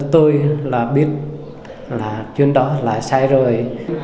tôi là biết là chuyện đó là sai rồi